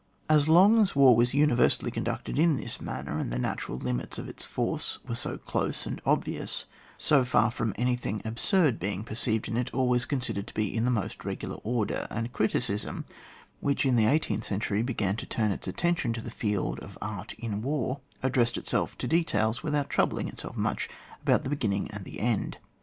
As long as war was universally con ducted in this manner, and the natural limits of its force were so close and obvi ous, so far from anything absurd being perceived in it, all was considered to be m the most regular order; and criticism, which in the eighteenth century began to turn its attention to the field of art in war, addressed itself to details without troubling itself much about the begin ning and the end.